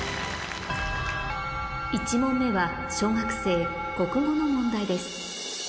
１問目は小学生国語の問題です